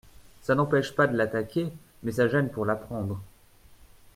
Ça n'empêche pas de l'attaquer, mais ça gêne pour la prendre.